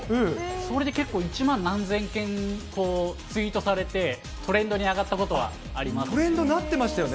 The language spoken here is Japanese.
それで結構、１万何千件ツイートされて、トレンドに上がったことトレンドになってましたよね。